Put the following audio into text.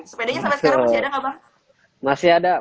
sepedanya sampai sekarang masih ada nggak bang